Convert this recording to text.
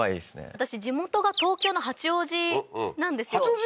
私地元が東京の八王子なんですよ八王子？